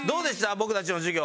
僕たちの授業。